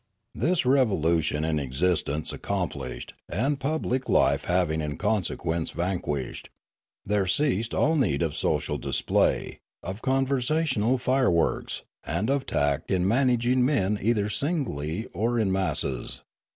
This revolution in existence accomplished, and pub lic life having in consequence vanished, there ceased all need of social display, of conversational fireworks, and of tact in managing men either singly or in masses.